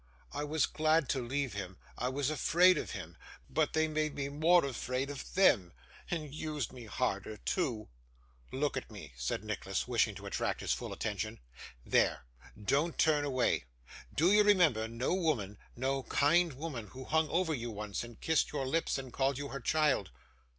I was glad to leave him, I was afraid of him; but they made me more afraid of them, and used me harder too.' 'Look at me,' said Nicholas, wishing to attract his full attention. 'There; don't turn away. Do you remember no woman, no kind woman, who hung over you once, and kissed your lips, and called you her child?